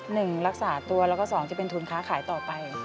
รักษาตัวแล้วก็สองจะเป็นทุนค้าขายต่อไป